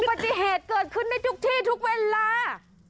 อุบัติเหตุเกิดขึ้นไม่ทุกที่ทุกเวลา